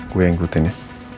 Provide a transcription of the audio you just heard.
gue yang ikutin ya